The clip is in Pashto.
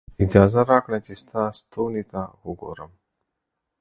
اجازه راکړئ چې ستا ستوني ته وګورم.